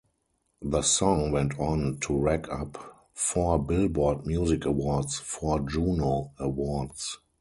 The song went on to rack up four "Billboard" Music Awards, four Juno Awards.